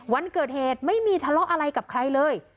วันเกิดเหตุไม่มีทะเลาะอะไรกับใครเลย